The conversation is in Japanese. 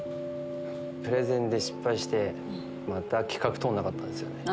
プレゼンで失敗してまた企画通んなかったんです。